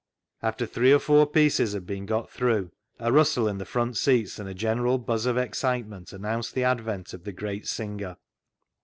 After three or four pieces had been got through, a rustle in the front seats and a general buzz of excitement announced the advent of the great singer.